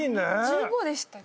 １５でしたっけ？